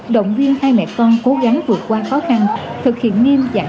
động viên hai mẹ con cố gắng vượt qua khó khăn